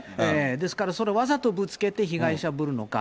ですからそれ、わざとぶつけて被害者ぶるのか。